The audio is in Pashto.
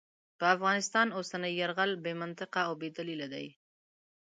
پر افغانستان اوسنی یرغل بې منطقې او بې دلیله دی.